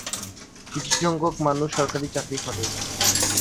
কিছু সংখ্যাক মানুষ সরকারি চাকরি করে।